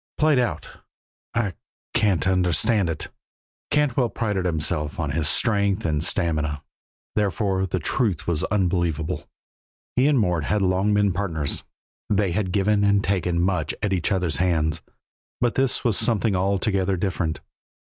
"Played out! I can't understand it." Cantwell prided himself on his strength and stamina, therefore the truth was unbelievable. He and Mort had long been partners, they had given and taken much at each other's hands, but this was something altogether different.